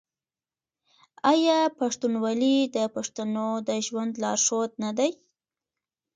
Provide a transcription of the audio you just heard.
آیا پښتونولي د پښتنو د ژوند لارښود نه دی؟